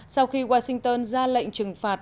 sau khi washington ra lệnh trừng phạt